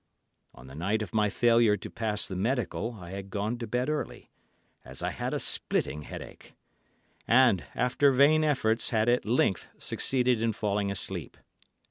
On the night of my failure to pass the medical I had gone to bed early, as I had a splitting headache, and, after vain efforts, had at length succeeded in falling asleep.